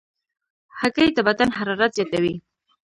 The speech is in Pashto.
هګۍ د بدن حرارت زیاتوي.